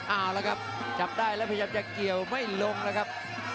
เอาละครับจับได้แล้วพยายามจะเกี่ยวไม่ลงนะครับ